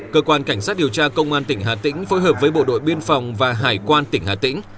cơ quan cảnh sát điều tra công an tỉnh hà tĩnh phối hợp với bộ đội biên phòng và hải quan tỉnh hà tĩnh